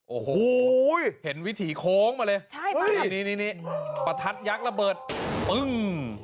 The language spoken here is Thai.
โอ้โหเห็นวิถีโค้งมาเลยนี่นี่ประทัดยักษ์ระเบิดปึ้ง